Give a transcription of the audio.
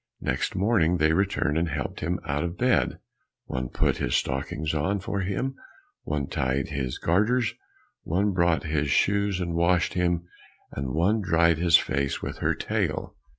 Next morning they returned and helped him out of bed, one put his stockings on for him, one tied his garters, one brought his shoes, one washed him, and one dried his face with her tail.